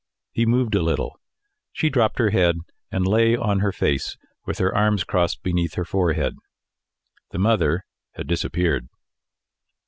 He moved a little; she dropped her head, and lay on her face, with her arms crossed beneath her forehead. The mother had disappeared.